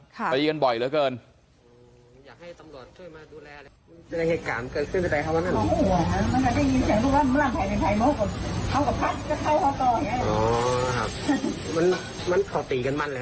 ตีกันบ่อยเหลือเกินอยากให้ตำรวจช่วยมาดูแล